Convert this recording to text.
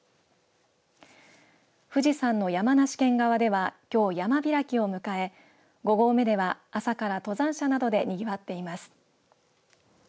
富士山の山梨県側ではきょう山開きを迎え５合目では、朝から登山者などでにぎわっています。